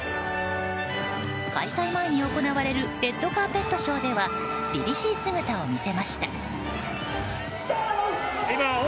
開催前に行われるレッドカーペットショーではりりしい姿を見せました。